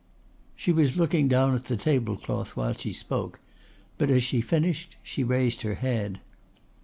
She was looking down at the tablecloth while she spoke, but as she finished she raised her head.